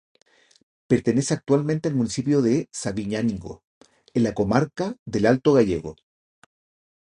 Pertenece actualmente al municipio de Sabiñánigo, en la comarca del Alto Gállego.